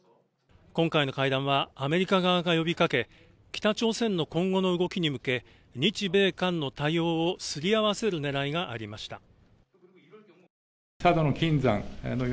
今回の会談は、アメリカ側が呼びかけ、北朝鮮の今後の動きに向け、日米韓の対応をすり合わせる狙いがありました。